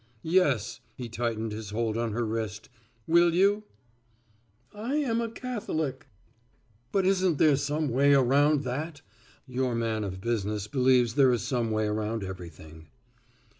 "Yes," he tightened his hold on her wrist, "will you?" "I am a Catholic." "But isn't there some way around that?" Your man of business believes there is some way around everything.